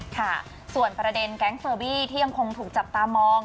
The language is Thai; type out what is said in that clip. ค่ะส่วนประเด็นแก๊งเฟอร์บี้ที่ยังคงถูกจับตามอง